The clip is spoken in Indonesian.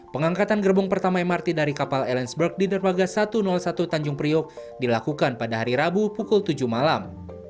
pengangkatan gerbong pertama mrt dari kapal ellensburg di dermaga satu ratus satu tanjung priok dilakukan pada hari rabu pukul tujuh malam